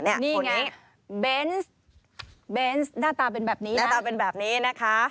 นี่ไงเบนส์เบนส์หน้าตาเป็นแบบนี้หน้าตาเป็นแบบนี้นะคะ